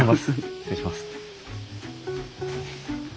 失礼します。